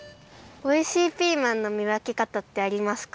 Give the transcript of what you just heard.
おいしいピーマンのみわけかたってありますか？